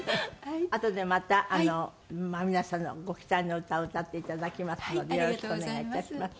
あとでまたあのまあ皆さんのご期待の歌を歌っていただきますのでよろしくお願いいたします。